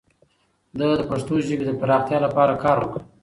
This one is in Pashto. ده د پښتو ژبې د پراختیا لپاره کار وکړ